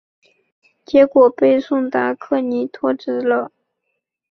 结果被达克托阻止了。